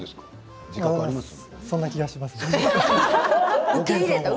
そんな気がします。